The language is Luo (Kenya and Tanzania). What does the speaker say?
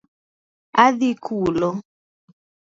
Adhi kulo